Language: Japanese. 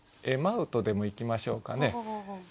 「まふ」とでもいきましょうかね。